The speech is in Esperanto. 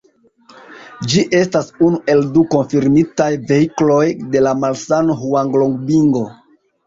Ĝi estas unu el du konfirmitaj vehikloj de la malsano hŭanglongbingo.